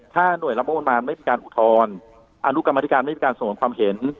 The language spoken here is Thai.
ถ้าหน่วยรับงบประมาณไม่มีการอุทธรณ์อนุกรรมธิการไม่มีการสงวนความเห็น